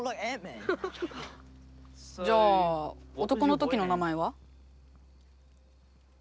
「じゃあ男のときの名前は？」。